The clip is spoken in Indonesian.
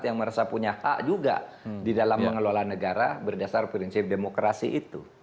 yang merasa punya hak juga di dalam mengelola negara berdasar prinsip demokrasi itu